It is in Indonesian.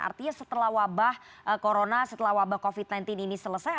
artinya setelah wabah corona setelah wabah covid sembilan belas ini selesai